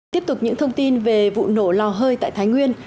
tiếp tục những thông tin về vụ nổ lò hơi tại thái nguyên